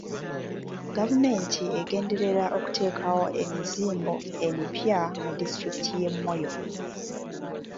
Gavumenti egenderera okuteekawo emizimbo emipya mu disitulikiti y'e Moyo.